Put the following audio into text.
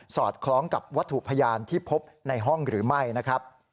อดคล้องกับวัตถุพยานที่พบในห้องหรือไม่นะครับ